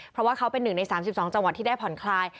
เพราะว่าเขาเป็น๑ใน๓๒จังหวัดที่ได้ผ่อนคลาย